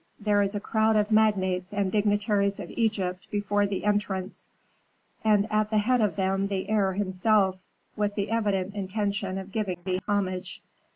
There is a crowd of magnates and dignitaries of Egypt before the entrance, and at the head of them the heir himself, with the evident intention of giving thee homage."